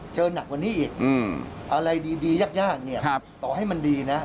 เชิญหนักกว่านี้อีกอืมอะไรดีดียากยากเนี้ยครับต่อให้มันดีนะ